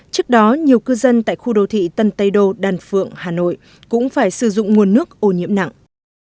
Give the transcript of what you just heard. trước đó nhiều cư dân tại khu đô thị tân tây đô đàn phượng hà nội cũng phải sử dụng nguồn nước ô nhiễm nặng